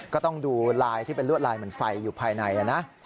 ก็ต้องดูลายที่เป็นลวดลายเหมือนไฟอยู่ภายในนะ